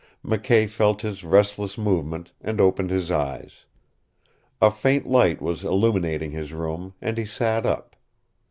McKay felt his restless movement, and opened his eyes. A faint light was illumining his room, and he sat up.